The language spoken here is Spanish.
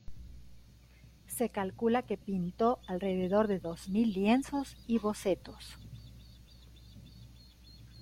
Se calcula que pintó alrededor de dos mil lienzos y bocetos.